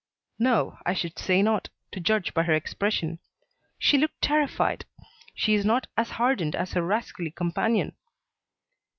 "No, I should say not, to judge by her expression. She looked terrified. She is not as hardened as her rascally companion."